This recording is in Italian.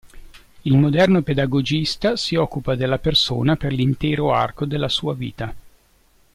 Il moderno pedagogista si occupa della persona per l'intero arco della sua vita.